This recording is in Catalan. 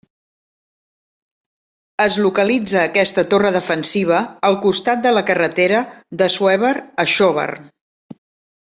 Es localitza aquesta torre defensiva al costat de la carretera d'Assuévar a Xóvar.